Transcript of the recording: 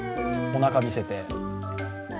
おなか見せて。